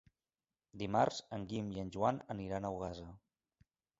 Dimarts en Guim i en Joan aniran a Ogassa.